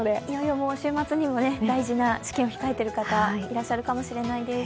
いよいよ週末にも大事な試験を控えてる方いらっしゃるかもしれません。